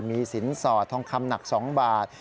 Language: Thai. มีสินสอดทองคำหนัก๒บาท